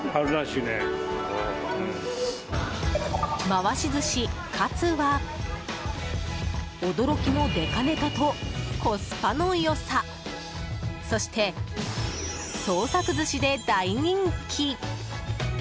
回し寿司活は驚きのでかネタとコスパの良さそして、創作寿司で大人気。